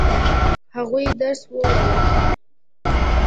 هغوی درس ووايه؟